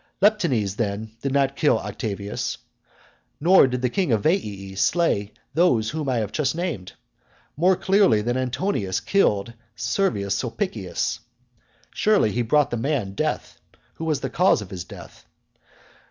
Leptines then did not kill Octavius, nor did the king of Veii slay those whom I have just named, more clearly than Antonius killed Servius Sulpicius. Surely he brought the man death, who was the cause of his death.